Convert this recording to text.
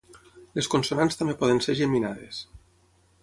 Les consonants també poden ser geminades.